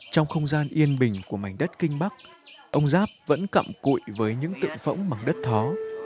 trong không gian yên bình của mảnh đất kinh bắc ông giáp vẫn cặm cụi với những tự phẫu bằng đất thó